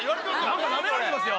何かナメられてますよ